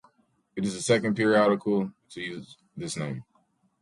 It is the second periodical to use this name.